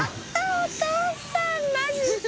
お父さんマジ？